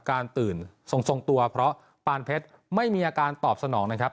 ตื่นทรงตัวเพราะปานเพชรไม่มีอาการตอบสนองนะครับ